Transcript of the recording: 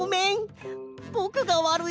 ぼくがわるいんだ。